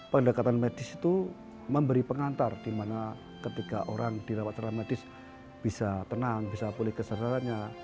pendekatan medis itu memberi pengantar di mana ketika orang dirawat secara medis bisa tenang bisa pulih kesadarannya